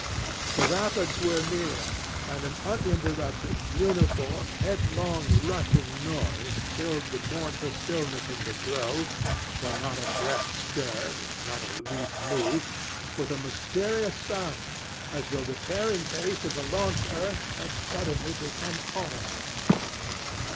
The rapids were near, and an uninterrupted, uniform, headlong, rushing noise filled the mournful stillness of the grove, where not a breath stirred, not a leaf moved, with a mysterious sound as though the tearing pace of the launched earth had suddenly become audible.